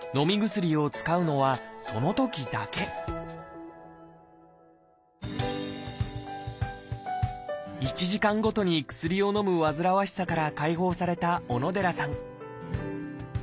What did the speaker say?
薬を使うのはそのときだけ１時間ごとに薬をのむ煩わしさから解放された小野寺さん